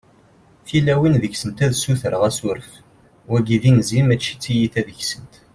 tilawin deg-sent ad ssutreɣ asuref, wagi d inzi mačči t-tiyita deg-sent